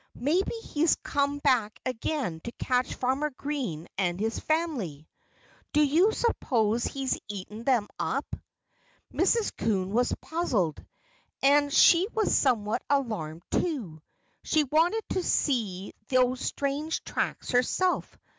"Maybe he's come back again to catch Farmer Green and his family ... Do you suppose he's eaten them up?" Mrs. Coon was puzzled. And she was somewhat alarmed, too. She wanted to see those strange tracks herself.